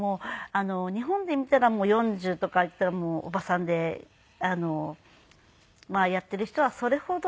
日本で見たら４０とかいったらおばさんでやっている人はそれほど。